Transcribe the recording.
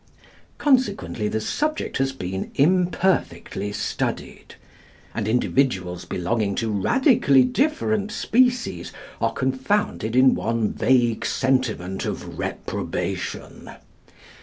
Consequently the subject has been imperfectly studied; and individuals belonging to radically different species are confounded in one vague sentiment of reprobation.